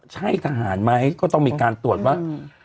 ใช่ทหารไหมก็ต้องมีการตรวจว่า